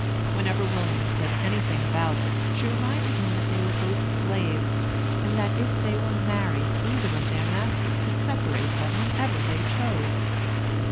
Whenever William said anything about it, she reminded him that they were both slaves; and that if they were married either of their masters could separate them whenever they chose.